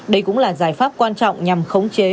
đây cũng là giải pháp quan trọng nhằm khống chế